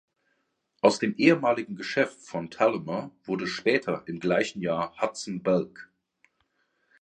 Aus dem ehemaligen Geschäft von Thalhimer wurde später im gleichen Jahr „Hudson Belk“.